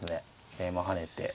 桂馬跳ねて。